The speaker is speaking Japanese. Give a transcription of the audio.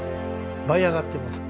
舞い上がってます。